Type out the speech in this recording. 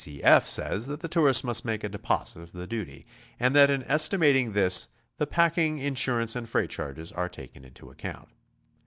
C. F. says that the tourist must make a deposit of the duty, and that in es timating this the packing, insurance and freight charges are taken into account.